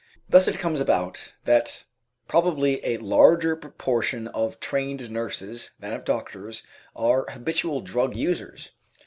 Thus it comes about that probably a larger proportion of trained nurses than of doctors are habitual drug users.